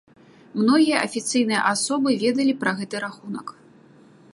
Многія афіцыйныя асобы ведалі пра гэты рахунак.